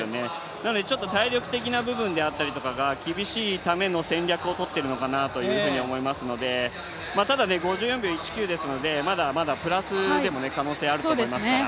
なのでちょっと体力的な部分であったりとかが厳しいための戦略をとっているのかなと思いますので、ただ、５４秒１９ですのでまだまだプラスでも可能性あると思いますから。